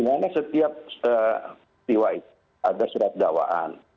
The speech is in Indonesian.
nah dimana setiap piwai ada surat dawaan